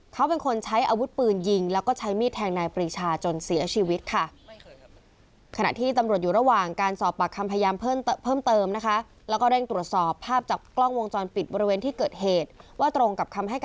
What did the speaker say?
เขาเป็นคนใช้อาวุธปืนยิงแล้วก็ใช้มีดแทงนายปรีชาจนเสียชีวิตค่ะ